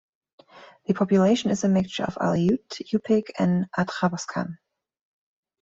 The population is a mixture of Aleut, Yupik and Athabaskan.